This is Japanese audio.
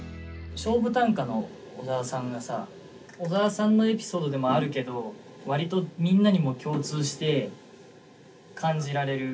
勝負短歌の小沢さんがさ小沢さんのエピソードでもあるけど割とみんなにも共通して感じられる。